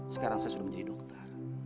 sekarang saya sudah menjadi dokter